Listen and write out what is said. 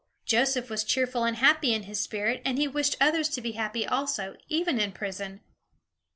Joseph was cheerful and happy in his spirit; and he wished others to be happy also, even in prison.